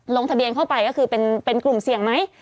ลงทะเบียนเข้าไปก็คือเป็นกลุ่มเสี่ยงไหม